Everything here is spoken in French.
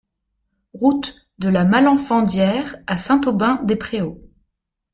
Route de la Malenfandière à Saint-Aubin-des-Préaux